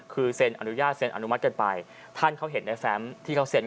คือเซ็นอนุญาตเซ็นอนุมัติกันไปท่านเขาเห็นในแฟมที่เขาเซ็น